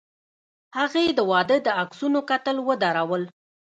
هغې د واده د عکسونو کتل ودرول.